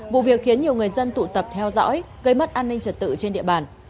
vụ việc khiến nhiều người dân tụ tập theo dõi gây mất an ninh trật tự trên địa bàn